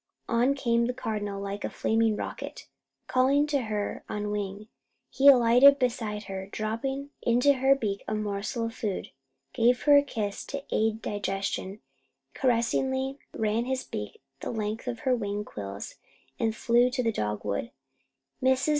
On came the Cardinal like a flaming rocket, calling to her on wing. He alighted beside her, dropped into her beak a morsel of food, gave her a kiss to aid digestion, caressingly ran his beak the length of her wing quills, and flew to the dogwood. Mrs.